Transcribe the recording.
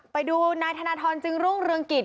ไปดูนายธนทรจึงรุ่งเรืองกิจ